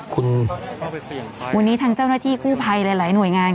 คุณวันนี้ทางเจ้าหน้าที่กู้ภัยหลายหน่วยงาน